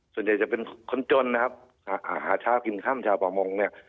ส่วนใหญ่จะเป็นคนจนนะครับอาหารชาวกินข้ำชาวป่าวมองเนี่ย